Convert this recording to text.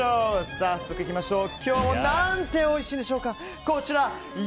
早速いきましょう。